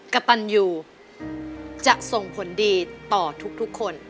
กระตันยูจะส่งผลดีต่อทุกคน